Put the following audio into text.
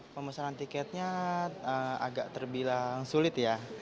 pemesanan tiketnya agak terbilang sulit ya